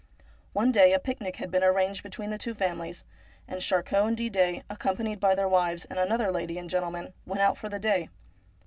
One day a picnic had been arranged between the two families, and Charcot and Didet, accompanied by their wives and another lady and gentleman, went out for the day.